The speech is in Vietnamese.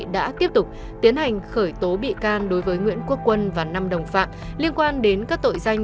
đã tiếp tục tiến hành khởi tố bị can đối với nguyễn quốc quân và năm đồng phạm liên quan đến các tội danh